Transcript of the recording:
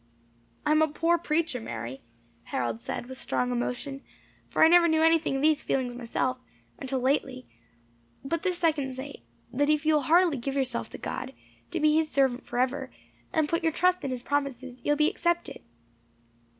"I am a poor preacher, Mary," Harold said, with strong emotion; "for I never knew anything of these feelings myself, until lately. But this I can say, that if you will heartily give yourself to God, to be his servant for ever, and put your trust in his promises, you will be accepted.